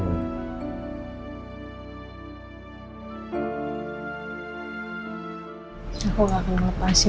aku gak akan melepasi ini